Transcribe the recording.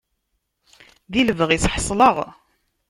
Di lebɣi-s ḥeṣleɣ.